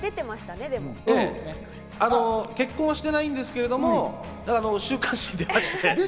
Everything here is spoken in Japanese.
結婚はしてないんですけれども、週刊誌に出まして。